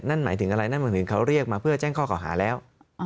นั่นหมายถึงอะไรนั่นหมายถึงเขาเรียกมาเพื่อแจ้งข้อเก่าหาแล้ว